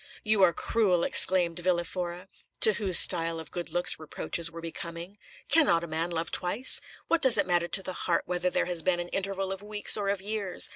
"You are cruel," exclaimed Villa Fora, to whose style of good looks reproaches were becoming. "Cannot a man love twice? What does it matter to the heart whether there has been an interval of weeks or of years?